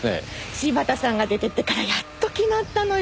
柴田さんが出てってからやっと決まったのよ。